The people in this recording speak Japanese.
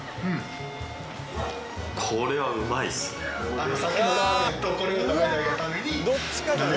これはうまいっすね。